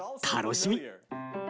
楽しみ！